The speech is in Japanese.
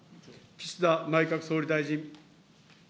岸田内閣総理大臣。